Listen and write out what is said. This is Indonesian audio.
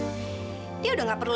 gue selalu di sini dan ke sini